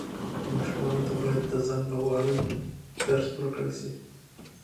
ماشومانو ته باید د ځان باورۍ درس ورکړل سي.